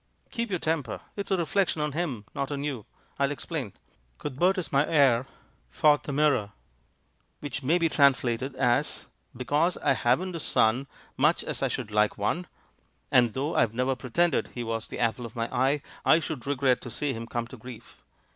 "Keep your temper — it's a reflection on him, not on you. I'll explain. Cuthbert is my heir faute de mieux — which may be translated as 'Because I haven't a son, much as I should like one' — and though I've never pretended he was the apple of my eye, I should regret to see him come to grief.